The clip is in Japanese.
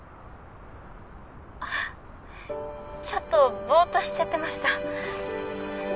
あちょっとぼっとしちゃってました。